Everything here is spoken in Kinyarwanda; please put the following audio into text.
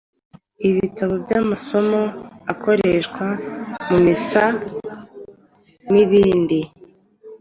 Ibitabo by’amasomo akoreshwa mu misa, n’ibindi.